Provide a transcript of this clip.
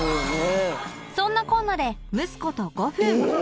そんなこんなで蒸す事５分